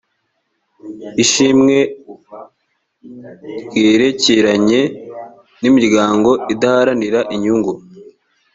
ishimwe ryerekeranye n’imiryango idaharanira inyungu